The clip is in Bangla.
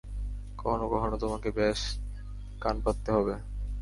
কখনো কখনো, তোমাকে ব্যস কান পাততে হবে।